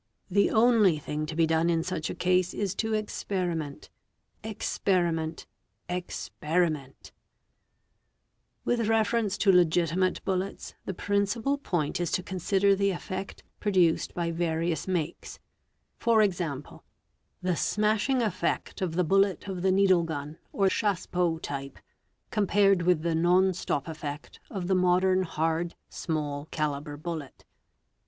The only thing to be done in such a case is to experiment, experiment, experiment !_ With reference to legitimate bullets, the principal point is to consider the effect produced by various makes, ¢.g., the smashing effect of the bullet of the needle gun or chassepot type compared with the non stop effect of the modern hard, small calibre bullet.